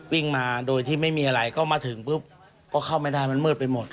วิ่งมาโดยที่ไม่มีอะไรก็มาถึงปุ๊บก็เข้าไม่ได้มันมืดไปหมด